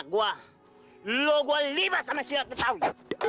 kalau terjadi apa apa sama anak gua lo gua libas sama si ratu taui